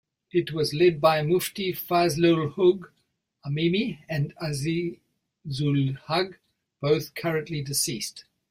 It was led by Mufti Fazlul Huq Amini and Azizul Haq, both currently deceased.